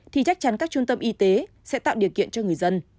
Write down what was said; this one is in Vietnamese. thì chắc chắn các trung tâm y tế sẽ tạo điều kiện cho người dân